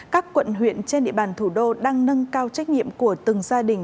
các quận huyện trên địa bàn thủ đô đang nâng cao trách nhiệm của từng gia đình